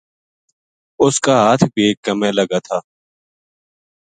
اس کا ہتھ بے کَمے لگا تھا